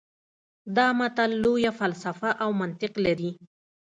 دا متل لویه فلسفه او منطق لري